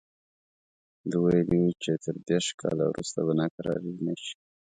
ده ویلي وو چې تر دېرش کاله وروسته به ناکراري نه شي.